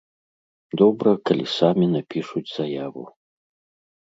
Добра, калі самі напішуць заяву.